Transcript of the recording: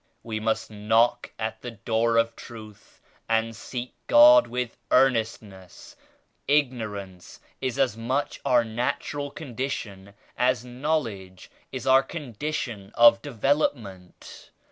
We must knock at the Door of Truth and seek God with earnestness. Ignorance is as much our natural condition as Knowledge is our condition of Development.